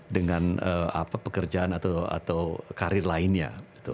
dengan pekerjaan atau karir lainnya